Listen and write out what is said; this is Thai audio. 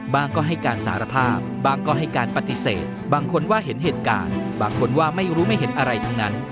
ก็ให้การสารภาพบ้างก็ให้การปฏิเสธบางคนว่าเห็นเหตุการณ์บางคนว่าไม่รู้ไม่เห็นอะไรทั้งนั้น